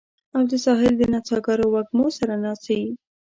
او د ساحل د نڅاګرو وږمو سره ناڅي